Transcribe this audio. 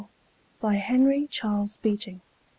Henry Charles Beeching.